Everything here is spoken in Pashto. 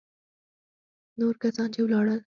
نور کسان چې ولاړل.